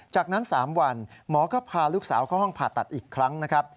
จากนั้น๓วันหมอก็พาลูกสาวเข้าห้องผ่าตัดอีกครั้งนะครับ